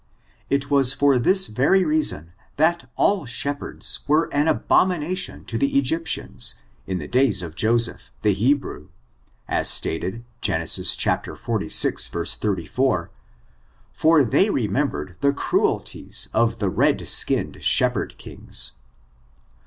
It was for this very reason, that all shepherds were an abomination to the Egyptians, in the days of Joseph, the Hebrew, as stated Gen. xlvi, 34, for they remembered the cruel ties of the red skinned shepherd kings.